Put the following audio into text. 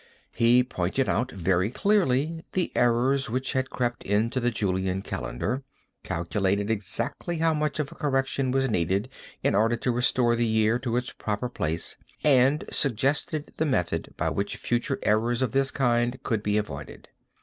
He pointed out very clearly the errors which had crept into the Julian calendar, calculated exactly how much of a correction was needed in order to restore the year to its proper place, and suggested the method by which future errors of this kind could be avoided.